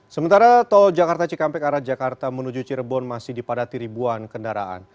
sementara tol jakarta cikampek arah jakarta menuju cirebon masih dipadati ribuan kendaraan